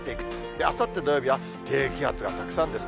あさって土曜日は、低気圧がたくさんですね。